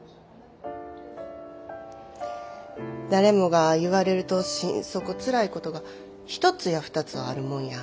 誰もが言われると心底つらいことが一つや二つはあるもんや。